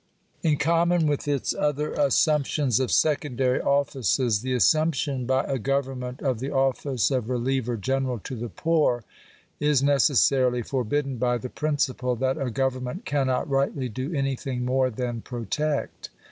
In common with its other assumptions of secondary offices, the assumption by a government of the office of Believer general to the poor, is necessarily forbidden by the principle that a government cannot rightly do anything more than pro tect.